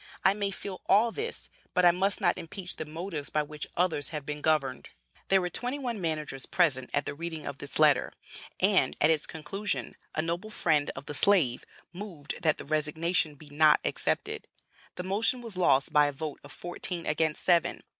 I may feel all this, but I must not impeach the motives by which others have been governed." There were twenty one managers present at the reading of this letter, and, at its conclusion, a noble friend of the slave moved that the resignation be not accepted; the motion was lost by a vote of fourteen against seven.